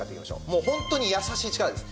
もうホントにやさしい力です。